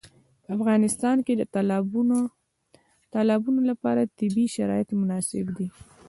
په افغانستان کې د تالابونه لپاره طبیعي شرایط مناسب دي.